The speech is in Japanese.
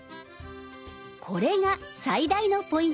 これが最大のポイント。